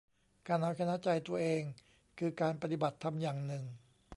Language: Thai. การเอาชนะใจตัวเองคือการปฏิบัติธรรมอย่างหนึ่ง